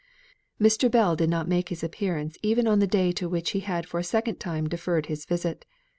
Mr. Bell did not make his appearance even on the day to which he had for a second time deferred his visit.